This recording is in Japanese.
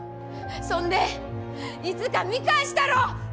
そんでいつか見返したろ！